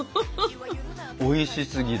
おいしすぎる。